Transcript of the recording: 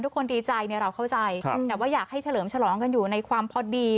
ทุกคนดีใจเนี่ยเราเข้าใจแต่ว่าอยากให้เฉลิมฉลองกันอยู่ในความพอดี